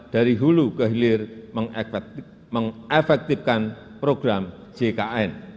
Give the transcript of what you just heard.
dari hulu ke hilir mengefektifkan program jkn